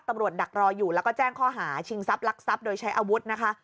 ดักรออยู่แล้วก็แจ้งข้อหาชิงทรัพย์ลักทรัพย์โดยใช้อาวุธนะคะ